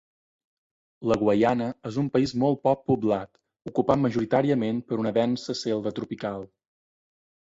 La Guaiana és un país molt poc poblat, ocupat majoritàriament per una densa selva tropical.